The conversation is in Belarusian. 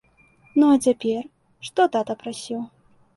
Ну, а цяпер, што тата прасіў?